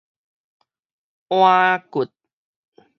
顱骨